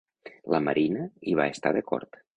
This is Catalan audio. La Marina hi va estar d'acord.